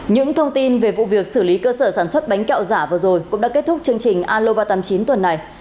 những thông tin về vụ việc xử lý cơ sở sản xuất bánh kẹo giả vừa rồi cũng đã kết thúc chương trình aloba tám mươi chín tuần này